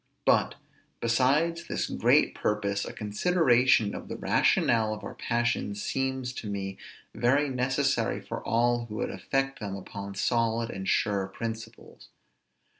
But, besides this great purpose, a consideration of the rationale of our passions seems to me very necessary for all who would affect them upon solid and sure principles.